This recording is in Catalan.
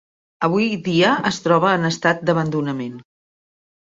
Avui dia es troba en estat d'abandonament.